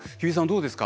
どうですか？